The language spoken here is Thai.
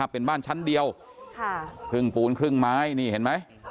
เป็นบ้านชั้นเดียวครึ่งปูนครึ่งไม้นี่เห็นไหม